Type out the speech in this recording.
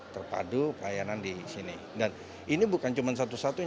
terlebih dahulu kita suka di bchtong konkreter